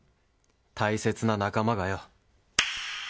大切な仲間がよ！